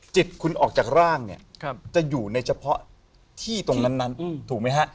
จิตคุณออกจากร่างเนี่ยจะอยู่ในเฉพาะที่ตรงนั้นถูกไหมฮะ